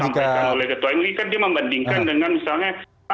jangan sampai yang disampaikan oleh ketua mui kan dia membandingkan dengan misalnya